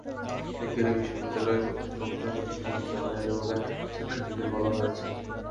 শিগগিরই বিশ্ববিদ্যালয় কর্তৃপক্ষ এসব বিষয়ে সিদ্ধান্ত নেবে বলে শিক্ষার্থীদের বলা হয়েছে।